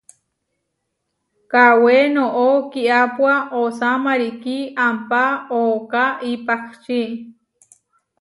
Kawé noʼó kiápua osá marikí ampá ooká ipahčí.